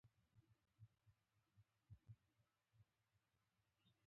پي ایچ متر د مایعاتو تیزابیت او القلیت اندازه کوي.